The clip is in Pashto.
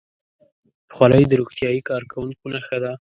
خولۍ د روغتیايي کارکوونکو نښه ده.